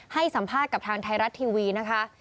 ให้สัมภาษณ์กับทางไทยรัฐทีวีนะคะ